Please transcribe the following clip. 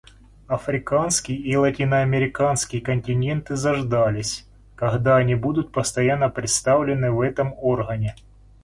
Африканский и латиноамериканский континенты заждались, когда они будут постоянно представлены в этом органе.